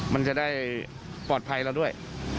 มันจะได้ปลอดภัยเราด้วย